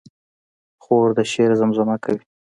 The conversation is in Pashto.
خور د شعر زمزمه کوي.